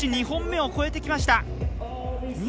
２本目を超えてきました。